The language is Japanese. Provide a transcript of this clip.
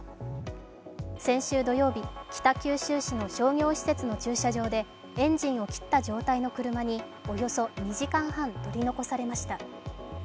先週土曜日、北九州市の商業施設の駐車場でエンジンを切った状態の車におよそ２時間半、取り残されました。